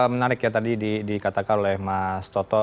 menarik ya tadi dikatakan oleh mas toto